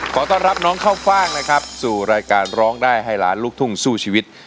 ขอต้อนรับน้องเข้าฟ่างนะครับสู่รายการร้องได้ให้ล้านลูกทุ่งสู้ชีวิต